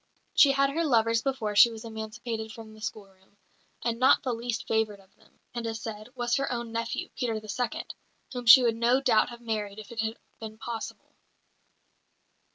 She had her lovers before she was emancipated from the schoolroom; and not the least favoured of them, it is said, was her own nephew, Peter the Second, whom she would no doubt have married if it had been possible.